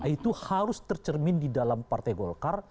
itu harus tercermin di dalam partai golkar